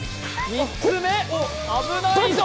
３つ目、危ないぞ。